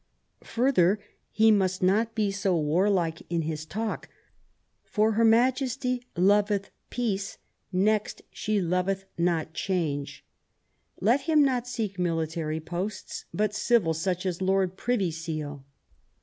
Further, he must not be so warlike in his talk, "for Her Majesty loveth peace ; next she loveth not change *'. Let him not seek military posts, but civil, such as Lord Privy Seal.